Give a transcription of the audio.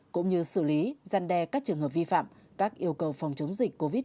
cũng như xử lý gian đe các trường hợp vi phạm các yêu cầu phòng chống dịch covid